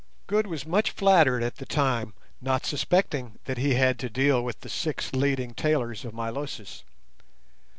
Good was much flattered at the time, not suspecting that he had to deal with the six leading tailors of Milosis.